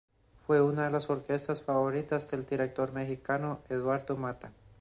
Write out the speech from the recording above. Fue una de las orquestas favoritas del director mexicano Eduardo Mata.